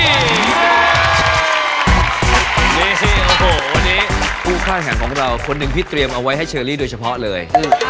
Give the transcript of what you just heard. นี่โอ้โหวันนี้ผู้เข้าแข่งของเราคนหนึ่งที่เตรียมเอาไว้ให้เชอรี่โดยเฉพาะเลย